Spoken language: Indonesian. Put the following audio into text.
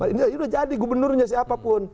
ini sudah jadi gubernurnya siapapun